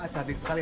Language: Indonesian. wah cantik sekali